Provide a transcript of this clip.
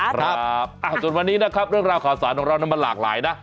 ครับส่วนวันนี้นะครับเรื่องราวข่าวสารของเรานั้นมันหลากหลายนะ